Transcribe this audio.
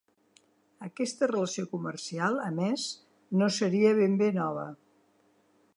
Aquesta relació comercial, a més, no seria ben bé nova.